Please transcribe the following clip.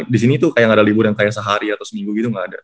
di sini tuh kayak gak ada libur yang kayak sehari atau seminggu gitu nggak ada